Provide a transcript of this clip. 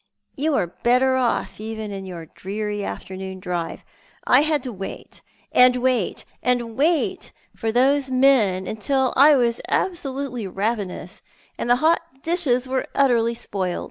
" You were better 6 Thou art the Man, off even in your dreary afternoon drive, I had to wait, and ■wait, and wait for those men, till I was absolutely ravenous, and the hot dishes were utterly spoilt.